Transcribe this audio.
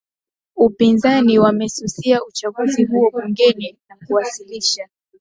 upinzani wamesusia uchaguzi huo bungeni na kuwasilisha